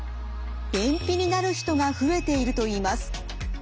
便秘になる人が増えているといいます。